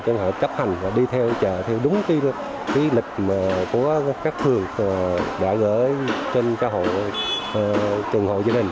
cho họ cấp hành và đi theo chợ theo đúng cái lịch của các thường đã gửi trên trường hội gia đình